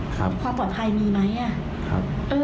ความปลอดภัยมีไหม